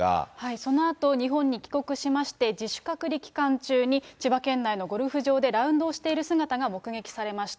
そのあと日本に帰国しまして、自主隔離期間中に、千葉県内のゴルフ場でラウンドをしている姿が目撃されました。